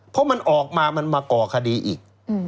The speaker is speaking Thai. เพราะมันออกมามันมาก่อคดีอีก